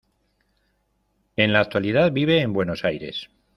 En la actualidad vive en Buenos Aires.